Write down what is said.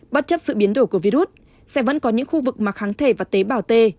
bất chấp sự biến đổi của virus sẽ vẫn có những khu vực mà kháng thể và tế bào t